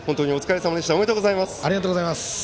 ありがとうございます。